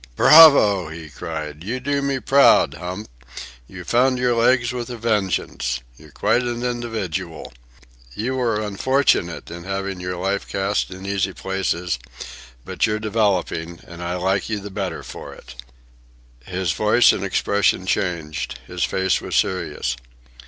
"Bravo!" he cried. "You do me proud, Hump! You've found your legs with a vengeance. You're quite an individual. You were unfortunate in having your life cast in easy places, but you're developing, and I like you the better for it." His voice and expression changed. His face was serious.